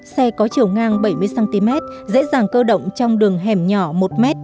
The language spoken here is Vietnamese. xe có chiều ngang bảy mươi cm dễ dàng cơ động trong đường hẻm nhỏ một m